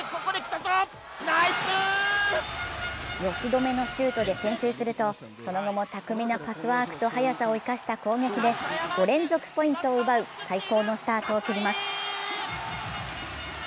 吉留のシュートで先制するとその後も巧みなパスワークと速さを生かした攻撃で５連続ポイントを奪う最高のスタートを切ります。